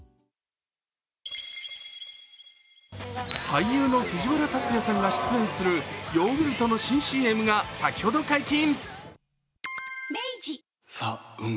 俳優の藤原竜也さんが出演するヨーグルトの新ＣＭが先ほど解禁。